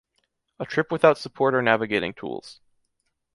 A trip without support or navigating tools.